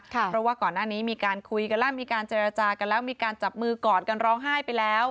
เพราะว่าก่อนหน้านี้มีการคุยกันแล้วมีการเจรจากันแล้วมีการจับมือกอดกันร้องไห้ไปแล้ว